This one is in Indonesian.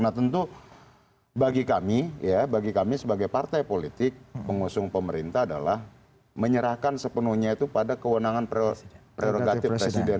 nah tentu bagi kami ya bagi kami sebagai partai politik pengusung pemerintah adalah menyerahkan sepenuhnya itu pada kewenangan prerogatif presiden